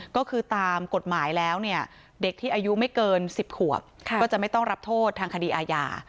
ก็คือตามกฎหมายแล้วเนี่ยเด็กที่อายุไม่เกิน๑๐ขวบก็จะไม่ต้องรับโทษทางคดีอาญา